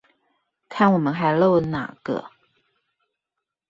看我們還漏了哪個